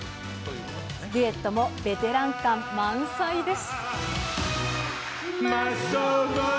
デュエットもベテラン感満載です。